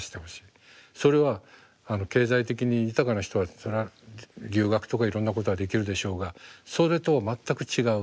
それは経済的に豊かな人はそれは留学とかいろんなことができるでしょうがそれと全く違う。